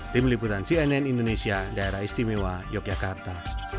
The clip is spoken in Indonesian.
tim liputan cnn indonesia daerah istimewa yogyakarta